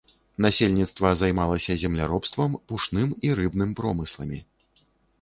Насельніцтва займалася земляробствам, пушным і рыбным промысламі.